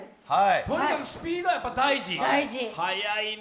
とにかくスピードが大事、早いね。